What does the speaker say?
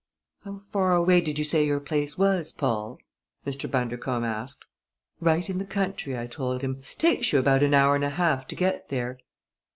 "How far away did you say your place was, Paul?" Mr. Bundercombe asked. "Right in the country," I told him "takes you about an hour and a half to get there."